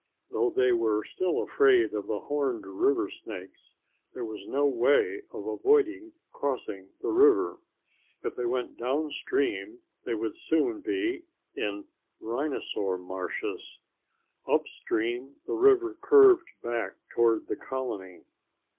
Though they were still afraid of the horned river snakes, there was no way of avoiding crossing the river. If they went downstream they would soon be in the rhinosaur marshes. Upstream the river curved back toward the colony.